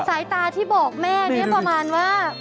สายตาที่บอกแม่เนี่ยประมาณว่า